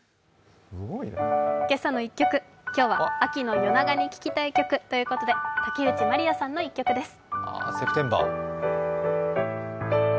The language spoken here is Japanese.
「けさの１曲」今日は秋の夜長に聴きたい曲竹内まりやさんの一曲です。